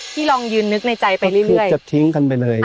พี่ลองยืนนึกในใจไปเรื่อย